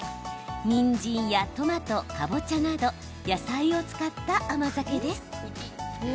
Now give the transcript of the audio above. にんじんやトマト、かぼちゃなど野菜を使った甘酒です。